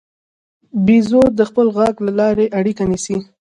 بیزو د خپل غږ له لارې اړیکه نیسي.